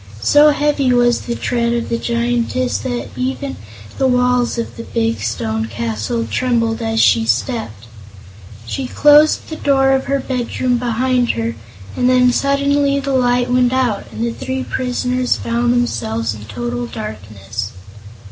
So heavy was the tread of the Giantess that even the walls of the big stone castle trembled as she stepped. She closed the door of her bedroom behind her, and then suddenly the light went out and the three prisoners found themselves in total darkness.